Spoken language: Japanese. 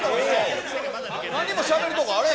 何もしゃべるとこあらへん。